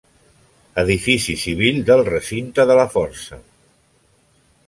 Edifici civil del recinte de la Força.